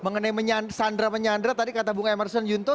mengenai menyandra menyandra tadi kata bung emerson junto